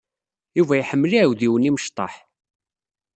Yuba iḥemmel iɛudiwen imečṭaḥ.